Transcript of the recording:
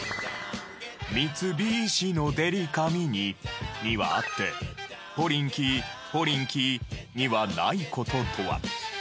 「三菱のデリカミニ」にはあって「ポリンキーポリンキー」にはない事とは？